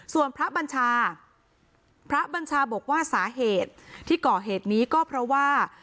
ส่วนพระบัญชาพระบัญชาบอกว่าสาเหตุที่ก่อเหตุนี้ก็เพราะว่า